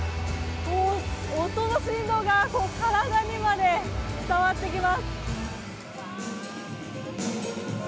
音の振動が体にまで伝わってきます。